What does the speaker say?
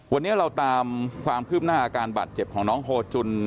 วันนี้เราตามความคืบหน้าอาการบาดเจ็บของน้องโฮจุน